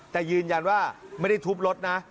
แต่ยืนยันว่าไม่ได้ทุบรถนะ